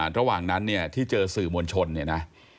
ระหว่างนั้นที่เจอสื่อมวลชน